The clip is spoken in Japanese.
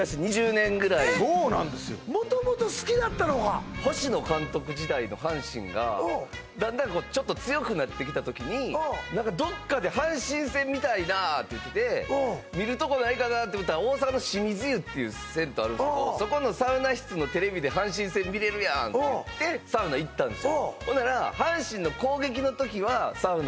そうなんですよ星野監督時代の阪神がだんだんちょっと強くなってきた時にどっかで阪神戦見たいなって言ってて見るとこないかなって思ったら大阪の清水湯っていう銭湯あるんですけどそこのサウナ室のテレビで阪神戦見れるやんっていってサウナ行ったんですよ